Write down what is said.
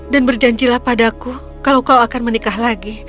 dan berjanjilah padaku kalau kau akan menikah lagi